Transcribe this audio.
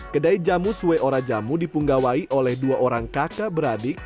kedai jamu sue ora jamu dipunggawai oleh dua orang kakak beradik